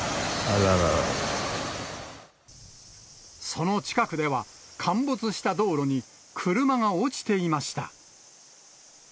その近くでは、陥没した道路に車が落ちていました。